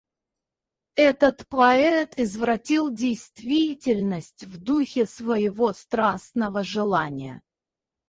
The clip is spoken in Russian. Этот поэт извратил действительность в духе своего страстного желания.